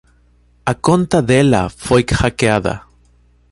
A conta dela foi hackeada.